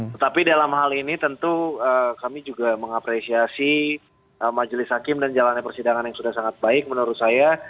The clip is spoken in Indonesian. tetapi dalam hal ini tentu kami juga mengapresiasi majelis hakim dan jalannya persidangan yang sudah sangat baik menurut saya